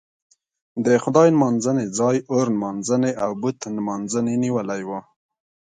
د خدای نمانځنې ځای اور نمانځنې او بت نمانځنې نیولی و.